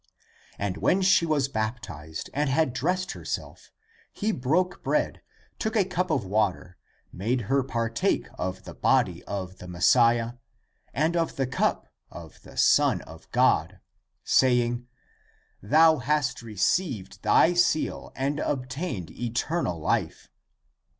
And when she was baptized and had dressed herself, he broke bread, took a cup of water, made her partake of the body of the Messiah and of the cup of the Son of God, saying, " Thou hast received thy seal and obtained eternal life!"